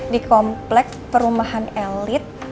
di komplek perumahan elit